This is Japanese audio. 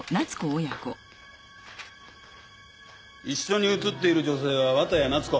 一緒に写っている女性は綿谷夏子。